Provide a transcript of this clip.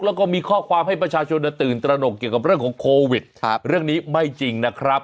แล้วก็มีข้อความให้ประชาชนตื่นตระหนกเกี่ยวกับเรื่องของโควิดเรื่องนี้ไม่จริงนะครับ